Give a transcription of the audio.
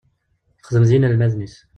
Texdem d yinelmaden-is.